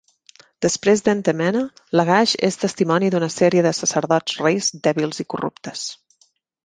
Després d'Entemena, Lagash és testimoni d'una sèrie de sacerdots-reis dèbils i corruptes.